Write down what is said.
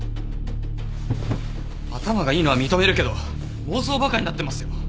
頭がいいのは認めるけど妄想バカになってますよ。